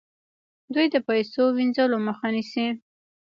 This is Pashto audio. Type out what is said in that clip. دوی د پیسو وینځلو مخه نیسي.